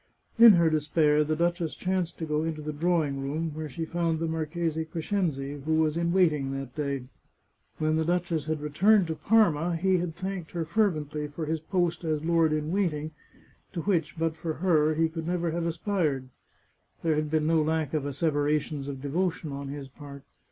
In her despair, the duchess chanced to go into the draw ing room, where she found the Marchese Crescenzi, who was in waiting that day. When the duchess had returned to Parma he had thanked her fervently for his post as lord in waiting, to which, but for her, he could never have aspired. There had been no lack of asseverations of devotion on his part.